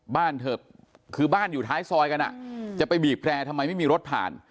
เถอะคือบ้านอยู่ท้ายซอยกันจะไปบีบแรร์ทำไมไม่มีรถผ่าน